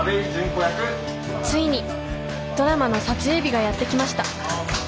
ついにドラマの撮影日がやって来ました。